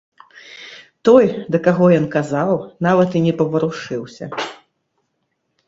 Той, да каго ён казаў, нават і не паварушыўся.